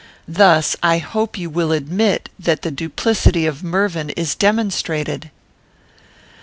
Thus, I hope you will admit that the duplicity of Mervyn is demonstrated."